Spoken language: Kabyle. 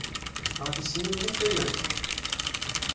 Ɣef yisennanen i qqiment?